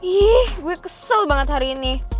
ih gue kesel banget hari ini